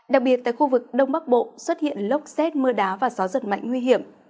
đặc biệt tại khu vực đông bắc bộ xuất hiện lốc xét mưa đá và gió giật mạnh nguy hiểm